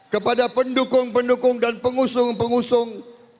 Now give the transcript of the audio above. kepada pendukung pendukung dan pengusung pengusung